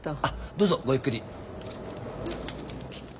どうぞごゆっくり。